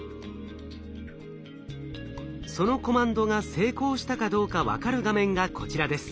そのコマンドが成功したかどうか分かる画面がこちらです。